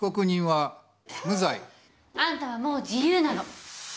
あんたはもう自由なの。